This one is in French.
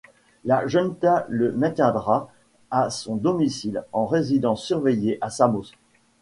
La Junta le maintiendra à son domicile en résidence surveillée à Samos.